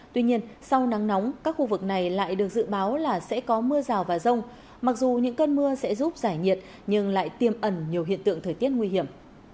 tuy nhiên sau nắng nóng các khu vực này lại được dự báo là sẽ có mưa rào và rông mặc dù những cơn mưa sẽ giúp giải nhiệt nhưng lại tiêm ẩn nhiều hiện tượng thời tiết nguy hiểm